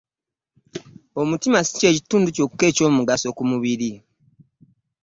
Omutima si ky'ekintu kyokka ekyomugaso mu mubiri